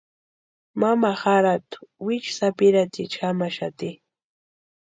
Mama jarhatu wichu sapiraticha jamaxati.